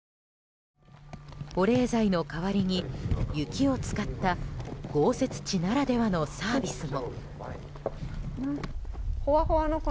保冷剤の代わりに雪を使った豪雪地ならではのサービスも。